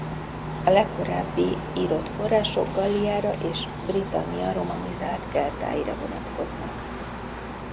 A legkorábbi írott források Galliára és Britannia romanizált keltáira vonatkoznak.